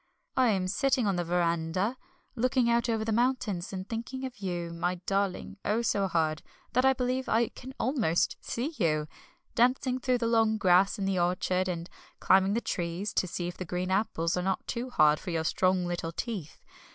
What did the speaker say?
I am sitting on the verandah, looking out over the mountains, and thinking of you, my darling, oh, so hard, that I believe I can almost see you, dancing through the long grass in the orchard, and climbing the trees, to see if the green apples are not too hard for your strong little teeth.